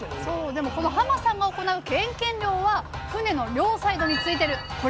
でもこのさんが行うケンケン漁は船の両サイドについてるこれ。